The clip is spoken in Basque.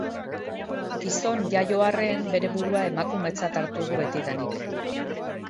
Gizon jaio arren, bere burua emakumetzat hartu du betidanik.